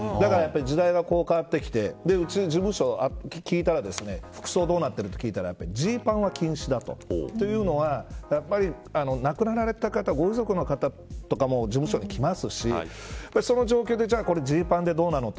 だから時代はこう変わってきてうちの事務所に服装どうなってるか聞いたらジーパンは禁止だと。というのは亡くなられた方ご遺族の方も事務所に来ますしその状況でジーパンはどうなのと。